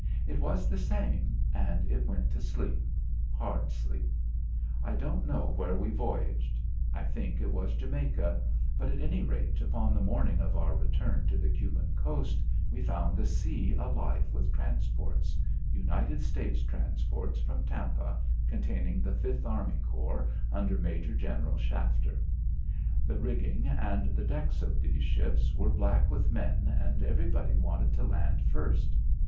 It was the same and it went to sleep, hard sleep. I don't know where we voyaged. I think it was Jamaica. But, at any rate, upon the morning of our return to the Cuban coast, we found the sea alive with transports United States transports from Tampa, containing the Fifth Army Corps under Major General Shafter. The rigging and the decks of these ships were black with men and everybody wanted to land first.